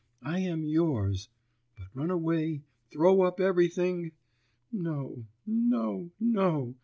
I am yours.... But run away, throw up everything ... no! no! no!